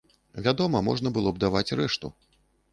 Вядома, можна было б даваць рэшту.